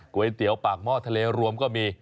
๋วเตี๋ยวปากหม้อทะเลรวมก็มี